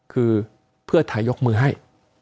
คือเพื่อไทยยกมือให้